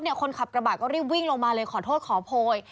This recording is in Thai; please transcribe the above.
คนขับกระบะก็รีบวิ่งลงมาเลยขอโทษขอโพย